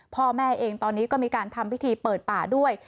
พ่อแม่เองตอนนี้ก็มีการทำพิธีเปิดป่าด้วย